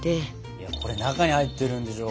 いやこれ中に入ってるんでしょ？